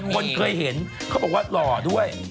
คนเคยเห็นเขาบอกว่าหล่อด้วย